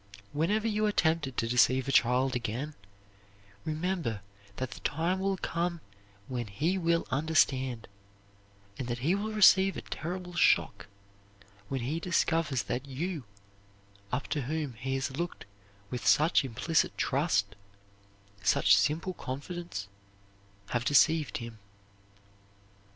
Whenever you are tempted to deceive a child again, remember that the time will come when he will understand, and that he will receive a terrible shock when he discovers that you, up to whom he has looked with such implicit trust, such simple confidence, have deceived him.